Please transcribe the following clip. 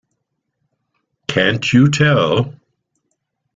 Can't you tell?